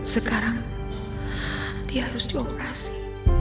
sekarang dia harus dioperasi